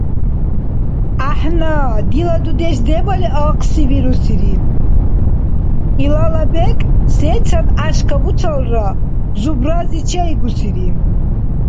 — ГӀяхӀна. Дила дудеш дебали ахъси вирусири. Илала бекӀ, сецад гӀяшкабурцалра, зубрази чейгусири.